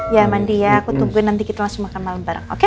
ya mandi ya aku tungguin nanti kita langsung makan malam bareng